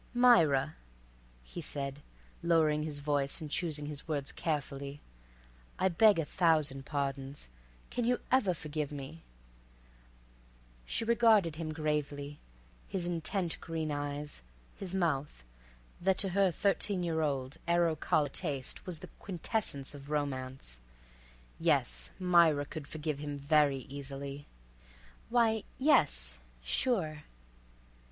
"Myra," he said, lowering his voice and choosing his words carefully, "I beg a thousand pardons. Can you ever forgive me?" She regarded him gravely, his intent green eyes, his mouth, that to her thirteen year old, arrow collar taste was the quintessence of romance. Yes, Myra could forgive him very easily. "Why—yes—sure."